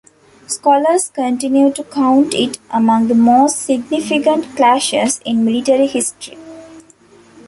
Scholars continue to count it among the most significant clashes in military history.